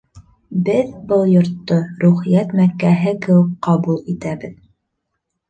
— Беҙ был йортто рухиәт Мәккәһе кеүек ҡабул итәбеҙ.